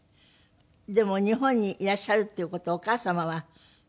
でも日本にいらっしゃるっていう事をお母様は賛成でしたか？